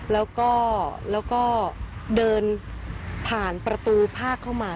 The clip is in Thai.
แล้วก็เดินผ่านประตูภาคเข้ามา